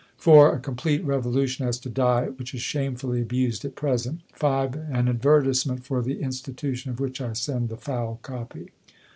4. A complete revolution as to Diet, which is shamefully abused at present. 5. An advertisement for the Institution, of which I send the foul copy.